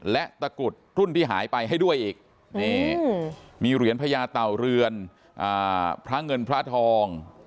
และตะกุดรุ่นที่หายไปให้ด้วยอีกมีเหรียญพญาเต่าเรือนพระเงินพระทอง